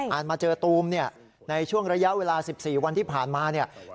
อาจมาเจอตูมในช่วงระยะเวลา๑๔วันที่ผ่านมา